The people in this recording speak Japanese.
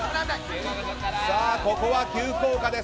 ここは急降下です。